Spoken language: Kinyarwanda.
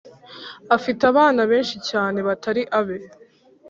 afite abana benshi cyane batari abe.